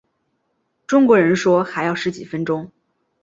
中国人说还要十几分钟